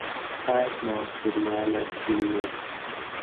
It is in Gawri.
آس ما پھِرماۤلہ تھِل مئ